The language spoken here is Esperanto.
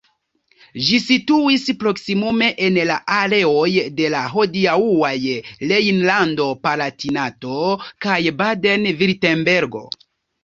Ĝi situis proksimume en la areoj de la hodiaŭaj Rejnlando-Palatinato kaj Baden-Virtembergo.